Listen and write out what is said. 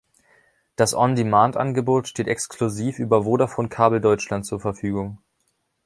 Das On-Demand-Angebot steht exklusiv über Vodafone Kabel Deutschland zur Verfügung.